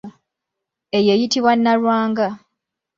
Eyo eyitibwa nalwanga.